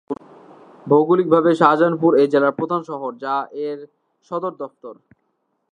ভৌগোলিকভাবে শাহজাহানপুর এ জেলার প্রধান শহর, যা এর সদর দফতর।